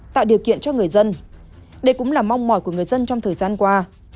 tạo điều kiện cho người dân đây cũng là mong mỏi của người dân trong thời gian qua